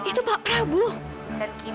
dan kini terbuat kesalahan telah dibawakan